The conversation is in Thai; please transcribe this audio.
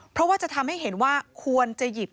เพราะว่าจะทำให้เห็นว่าควรจะหยิบ